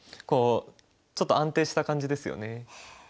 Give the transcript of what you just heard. こうちょっと安定した感じですよね。